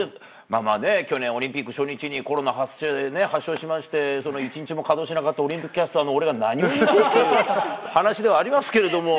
まあまあね、去年、オリンピック初日にコロナ発症しまして、その一日も稼働しなかったオリンピックキャスターの俺が何を言ってるっていう話ではありますけれども。